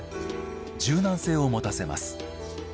柔軟性を持たせます。